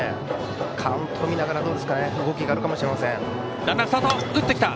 カウントを見ながら動きがあるかもしれません。